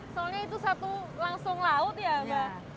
soalnya itu satu langsung laut ya mbak